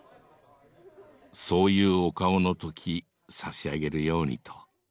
そういうお顔の時差し上げるようにと。